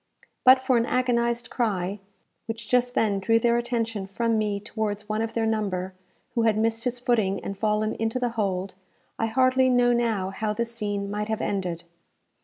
But for an agonized cry, which just then drew their attention from me towards one of their number, who had missed his footing and fallen into the hold, I hardly know now how this scene might have ended.